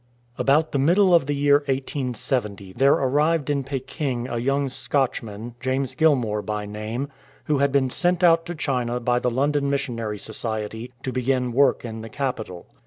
ABOUT the middle of the year 1870 there arrived in Peking a young Scotchman, James Gihnour by name, who had been sent out to China by the London Missionary Society to begin work in the capital.